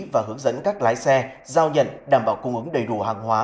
và hướng dẫn các lái xe giao nhận đảm bảo cung ứng đầy đủ hàng hóa